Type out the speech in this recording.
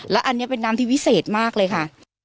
แล้วอันนี้เป็นน้ำที่วิเศษมากเลยค่ะ